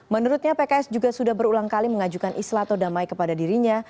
menurutnya pks juga sudah berulang kali mengajukan islato damai kepada dirinya